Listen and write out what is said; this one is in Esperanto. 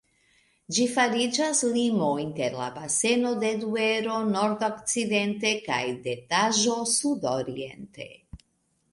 Ĝi fariĝas limo inter la baseno de Duero, nordokcidente, kaj de Taĵo, sudoriente.